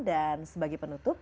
dan sebagai penutup